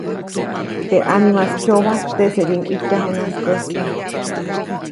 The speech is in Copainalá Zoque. Teʼ ʼanimaʼis kyobajk teʼsediʼuŋ ʼijtyaju najskäsi.